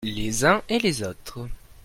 Les uns et les autres.